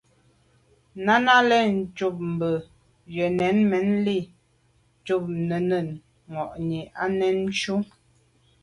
Náná lùcúp mbə̄ jə̂nə̀ mɛ́n lî à’ cák nɛ̂n mwà’nì á nǎmjʉ́.